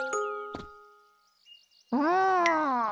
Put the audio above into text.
うん。